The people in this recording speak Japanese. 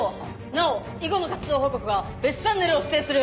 なお以後の活動報告は別チャンネルを指定する！